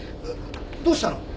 どうしたの？